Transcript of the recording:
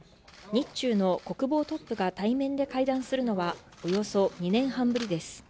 日中の国防トップが対面で会談するのは、およそ２年半ぶりです。